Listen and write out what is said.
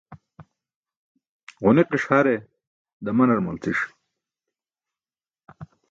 Ġuniqiṣ hare damanar malci̇ṣ.